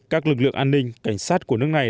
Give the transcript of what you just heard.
các lực lượng an ninh cảnh sát của nước này